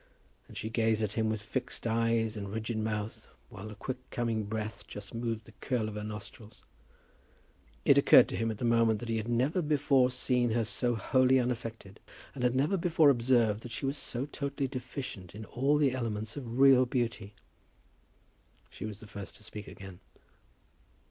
And she gazed at him with fixed eyes, and rigid mouth, while the quick coming breath just moved the curl of her nostrils. It occurred to him at the moment that he had never before seen her so wholly unaffected, and had never before observed that she was so totally deficient in all the elements of real beauty. She was the first to speak again.